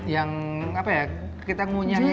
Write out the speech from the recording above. yang apa ya kita ngunyah gitu